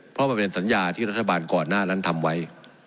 เพราะมันเป็นสัญญาที่รัฐบาลก่อนหน้านั้นทำไว้